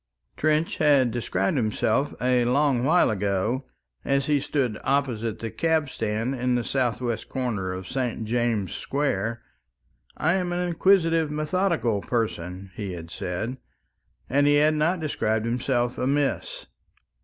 Trench had described himself a long while ago as he stood opposite the cab stand in the southwest corner of St. James's Square: "I am an inquisitive, methodical person," he had said, and he had not described himself amiss.